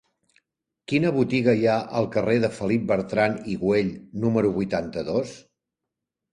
Quina botiga hi ha al carrer de Felip Bertran i Güell número vuitanta-dos?